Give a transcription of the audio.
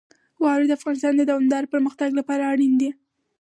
واوره د افغانستان د دوامداره پرمختګ لپاره اړین دي.